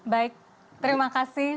baik terima kasih